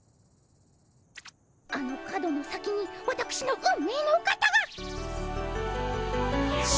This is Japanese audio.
あの角の先にわたくしの運命のお方が。